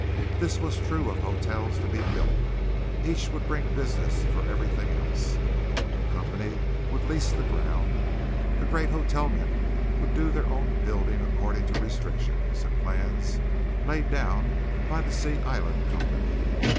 This was true of hotels to be built. Each would bring business for everything else. The company would lease the ground. The great hotel men would do their own building according to restrictions and plans laid down by the Sea Island Company.